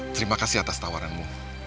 terima kasih atas tawaranmu